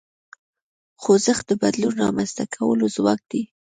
خوځښت د بدلون رامنځته کولو ځواک دی.